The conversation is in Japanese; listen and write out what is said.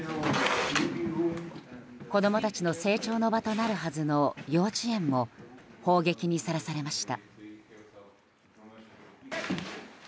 子供たちの成長の場となるはずの幼稚園も砲撃にさらされました。